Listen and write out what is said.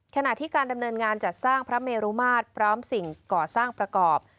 ขณะที่การดำเนินงานจัดสร้างพระเมรุมาตรพร้อมสิ่งก่อสร้างประกอบ